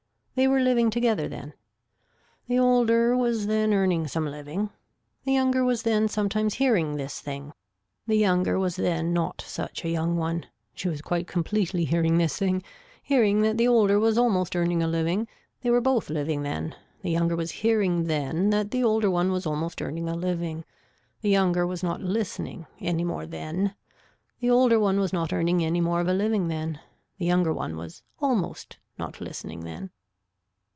They were living together then. The older was then earning some living, the younger was then sometimes hearing this thing, the younger was then not such a young one, she was quite completely hearing this thing, hearing that the older was almost earning a living, they were both living then, the younger was hearing then that the older one was almost earning a living. The younger was not listening, any more then, the older one was not earning any more of a living then. The younger one was almost not listening then.